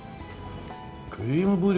クリームブリュレ